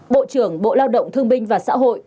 bộ trưởng bộ lao động thương binh và xã hội